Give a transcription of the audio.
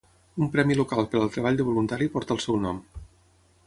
Un premi local per al treball de voluntari porta el seu nom.